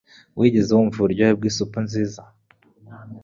Wigeze wumva uburyohe bwisupu nziza?